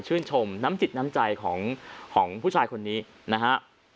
ชมน้ำจิตน้ำใจของผู้ชายคนนี้นะฮะ